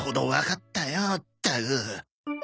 ったく。